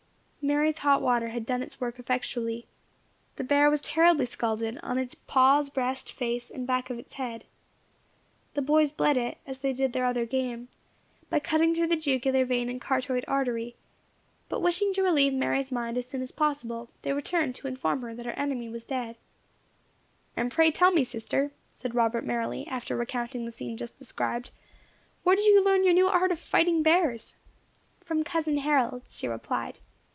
Mary's hot water had done its work effectually. The bear was terribly scalded on its paws, breast, face, and back of its head. The boys bled it, as they did their other game, by cutting through the jugular vein and carotid artery; but wishing to relieve Mary's mind as soon as possible, they returned to inform her that her enemy was dead. "And pray tell me, sister," said Robert merrily, after recounting the scene just described, "where did you learn your new art of fighting bears?" "From cousin Harold," she replied.